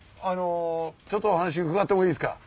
ちょっとお話伺ってもいいですか？